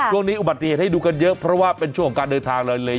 อุบัติเหตุให้ดูกันเยอะเพราะว่าเป็นช่วงของการเดินทางเลย